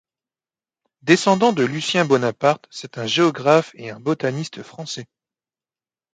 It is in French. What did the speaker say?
Descendant de Lucien Bonaparte, c'est un géographe et un botaniste français.